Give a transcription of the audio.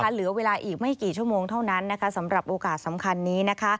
เหลือเวลาอีกไม่กี่ชั่วโมงเท่านั้นนะคะสำหรับโอกาสสำคัญนี้นะคะ